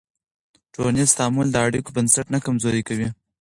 ټولنیز تعامل د اړیکو بنسټ نه کمزوری کوي.